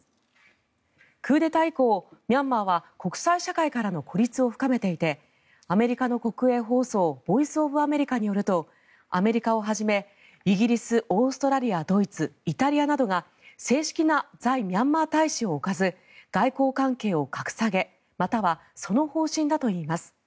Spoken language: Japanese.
クーデター以降、ミャンマーは国際社会からの孤立を深めていてアメリカの国営放送ボイス・オブ・アメリカによるとアメリカをはじめイギリス、オーストラリアドイツイタリアなどが正式な在ミャンマー大使を置かず外交関係を格下げまたはその方針だといいます。